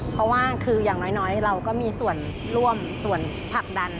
เพราะว่าคืออย่างน้อยเราก็มีส่วนร่วมส่วนผลักดัน